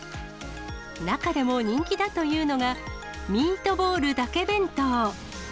中でも人気だというのが、ミートボールだけ弁当。